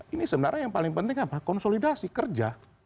ini sebenarnya yang paling penting apa konsolidasi kerja